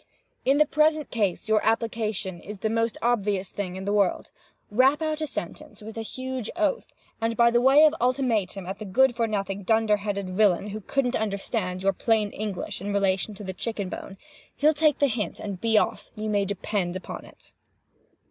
In the present case your application is the most obvious thing in the world. Rap out the sentence, with a huge oath, and by way of ultimatum at the good for nothing dunder headed villain who couldn't understand your plain English in relation to the chicken bone. He'll take the hint and be off, you may depend upon it."